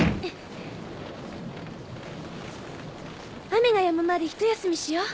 雨がやむまでひと休みしよう。